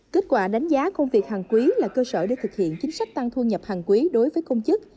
kết quả đánh giá công việc hàng quý là cơ sở để thực hiện chính sách tăng thu nhập hàng quý đối với công chức